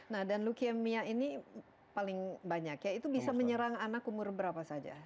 nah dan leukemia ini paling banyak ya itu bisa menyerang anak umur berapa saja